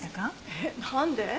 えっなんで？